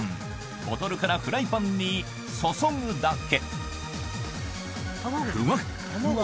ボトルからフライパンに注ぐだけ。